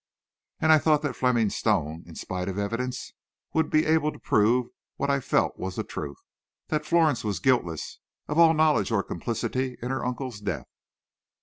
And I thought that Fleming Stone, in spite of evidence, would be able to prove what I felt was the truth, that Florence was guiltless of all knowledge of or complicity in her uncle's death.